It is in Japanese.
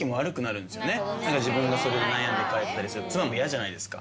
自分が悩んで帰ったりすると妻も嫌じゃないですか。